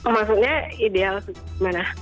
maksudnya ideal gimana